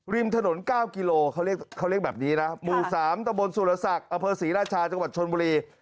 ริมถนน๙กิโลเขาเรียกแบบนี้นะหมู่๓ตะบนสุรศักดิ์อเภอศรีราชาจังหวัดชนบุรี